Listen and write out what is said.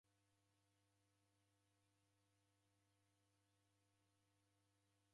Familia nyingi raw'aghanyika kwa sababu ya simu